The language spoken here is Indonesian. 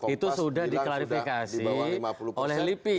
itu sudah diklarifikasi oleh lipi